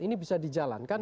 ini bisa dijalankan